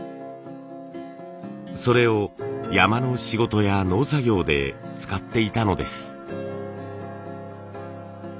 それを山の仕事や農作業で使っていたのです。